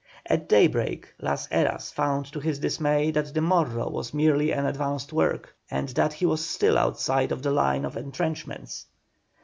At daybreak Las Heras found to his dismay that the Morro was merely an advanced work, and that he was still outside of the line of entrenchments.